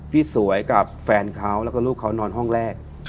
สวยกับแฟนเขาแล้วก็ลูกเขานอนห้องแรก